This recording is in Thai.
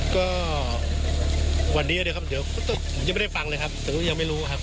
ก็วันนี้นะครับเดี๋ยวยังไม่ได้ฟังเลยครับแต่ว่ายังไม่รู้ครับ